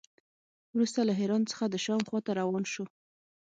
وروسته له حران څخه د شام خوا ته روان شو.